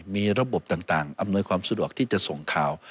มีระบบต่างอำนวยความสะดวกที่จะส่งข่าว